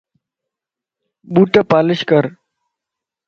ٻوٽ پالش ڪر